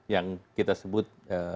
yang kita sebut